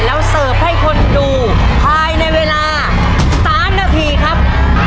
แล้วเสิร์ฟให้คนดูภายในเวลา๓นาทีครับ